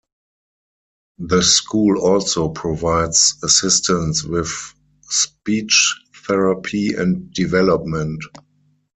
The school also provides assistance with speech therapy and development.